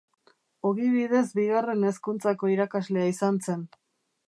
Ogibidez Bigarren Hezkuntzako irakaslea izan zen.